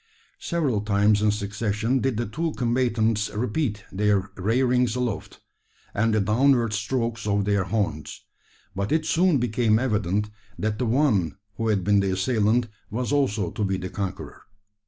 Several times in succession did the two combatants repeat their rearings aloft, and the downward strokes of their horns; but it soon became evident, that the one who had been the assailant was also to be the conqueror.